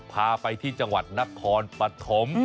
พาไปที่จังหวัดนครปฐม